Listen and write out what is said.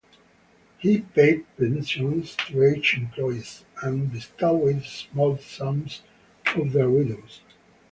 He paid pensions to aged employees, and bestowed small sums on their widows.